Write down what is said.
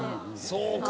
そうか。